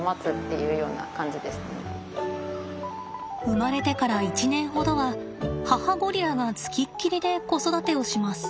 生まれてから１年ほどは母ゴリラが付きっきりで子育てをします。